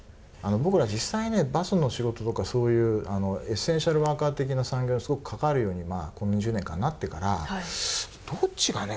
僕ら実際ね、バスの仕事とかそういうエッセンシャルワーカー的な産業にすごく関わるようにこの２０年間なってからどっちがね